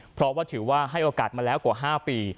เพราะว่าถือว่าให้โอกาสมาแล้วกว่า๕ปี